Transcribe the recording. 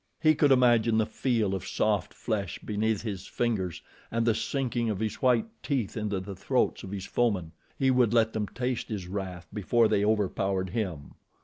He could imagine the feel of soft flesh beneath his fingers and the sinking of his white teeth into the throats of his foemen. He would let them taste his wrath before they overpowered him!